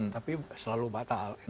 tapi selalu batal